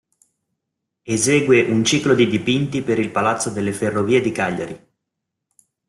Esegue un ciclo di dipinti per il palazzo delle Ferrovie di Cagliari.